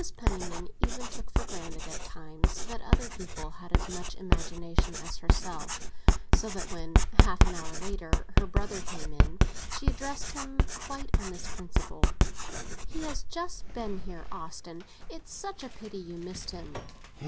PENNIMAN even took for granted at times that other people had as much imagination as herself; so that when, half an hour later, her brother came in, she addressed him quite on this principle. "He has just been here, Austin; it's such a pity you missed him."